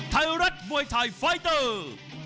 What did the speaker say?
ไทยรัฐมวยไทยไฟเตอร์